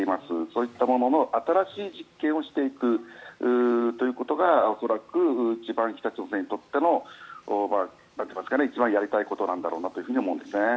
そういったものの新しい実験をしていくということが恐らく一番、北朝鮮にとってのやりたいことなんだろうなと思うんですね。